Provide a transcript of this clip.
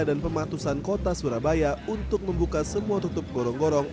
pematusan kota surabaya untuk membuka semua tutup gorong gorong